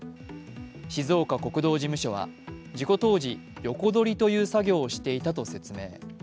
静岡国道事務所は事故当時、横取りという作業をしていたと説明。